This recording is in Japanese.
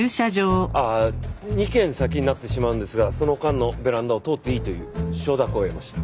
ああ２軒先になってしまうんですがその間のベランダを通っていいという承諾を得ました。